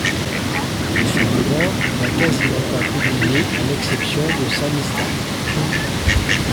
De son vivant, il n'a quasiment pas été publié à l'exception de samizdat.